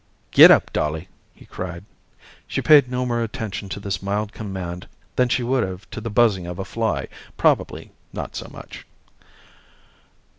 "Get up, Dolly," he cried. She paid no more attention to this mild command than she would have to the buzzing of a fly probably not so much.